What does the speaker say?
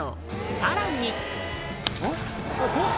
さらに。